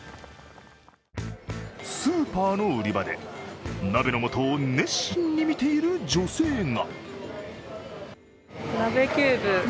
スーパーの売り場で鍋の素を熱心に見ている女性が。